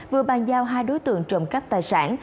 vừa bàn giao hai đối tượng trộm cắp tài sản